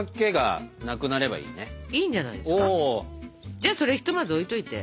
じゃあそれひとまず置いといて。